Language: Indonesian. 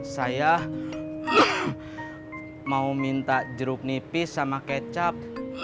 saya mau minta jeruk nipis sama kecap